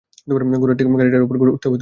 ঘোড়ার গাড়িটার উপরে উঠতে হবে তোমাকে!